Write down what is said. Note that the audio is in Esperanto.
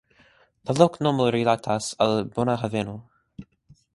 La loknomo rilatas al "bona haveno".